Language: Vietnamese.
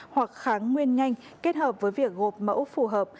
hoặc kháng nguyên nhanh kết hợp với việc gộp mẫu phù hợp